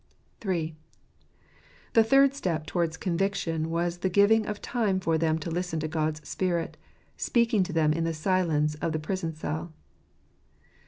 III. The Third Step towards Conviction was the giving of Time for them to listen to God's Spirit, SPEAKING TO THEM IN THE SlLENCE OF THE PRISON CELL.